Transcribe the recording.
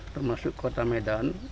termasuk kota medan